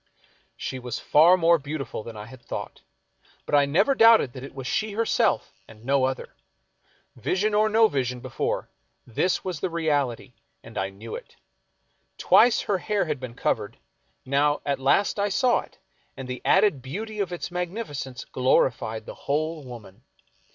She was far more beautiful than I had thought, but I never doubted that it was she herself and no other. Vision or no vision before, this was the reality, and I knew it. Twice her hair had been covered, now at last I saw it, and the added beauty of its magnificence glorified the whole woman.